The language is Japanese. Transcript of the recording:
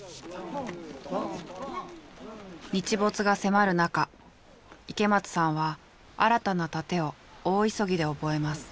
日没が迫る中池松さんは新たな殺陣を大急ぎで覚えます。